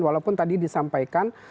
walaupun tadi disampaikan